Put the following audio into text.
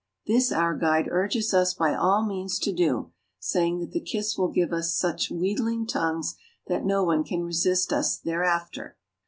This our guide urges us by all means to do, saying that the kiss will give us such wheedling tongues that no one can resist us thereafter.